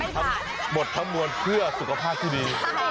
หมดธรรมน์เพื่อสุขภาคที่ดี